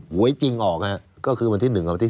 หวยจริงออกก็คือวันที่๑กับวันที่๑